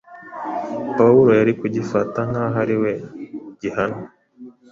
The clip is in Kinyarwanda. Pawulo yari kugifata nk’aho ari we gihanwe.